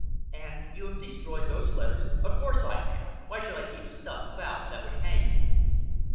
"And you have destroyed those letters?" "Of course I have! Why should I keep stuff about that would hang me?"